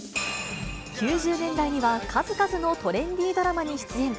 ９０年代には数々のトレンディードラマに出演。